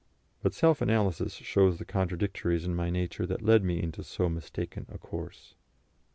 But self analysis shows the contradictories in my nature that led me into so mistaken a course.